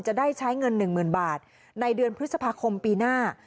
จะได้ใช้เงิน๑๐๐๐บาทในเดือนพฤษภาคมปีหน้า